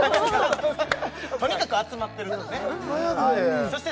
とにかく集まってるんですねホンマやで